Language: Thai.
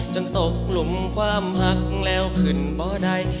ตกหลุมความหักแล้วขึ้นบ่อใด